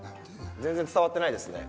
全然伝わってないですね。